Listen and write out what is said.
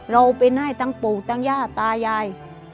เราเป็นให้ทั้งปู่ทั้งย่าตายาย